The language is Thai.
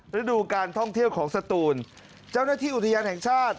ฤดูการท่องเที่ยวของสตูนเจ้าหน้าที่อุทยานแห่งชาติ